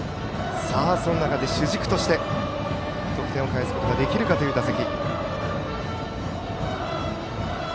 その中で主軸として得点を返すことができるかという打席。